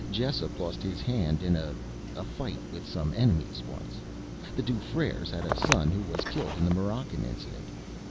Jessup lost his hand in a a fight with some enemies once. The Dufreres had a son who was killed in the Moroccan incident."